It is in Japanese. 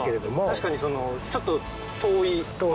確かにちょっと。